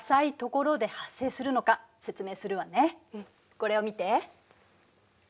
これを見て。